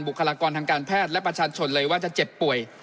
คลากรทางการแพทย์และประชาชนเลยว่าจะเจ็บป่วย